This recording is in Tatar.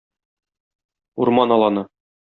Урман аланы.